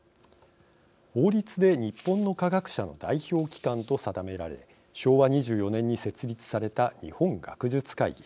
法律で日本の科学者の代表機関と定められ、昭和２４年に設立された日本学術会議。